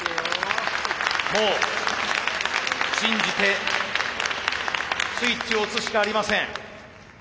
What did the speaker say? もう信じてスイッチを押すしかありません。